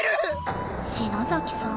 篠崎さん